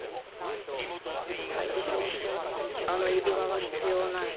怪物にあの指輪は必要ない。